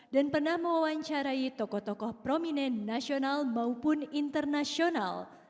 dan pernah mewawancarai tokoh tokoh prominent nasional maupun internasional